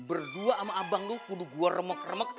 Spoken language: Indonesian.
berdua sama abang lu kudu gue remek remek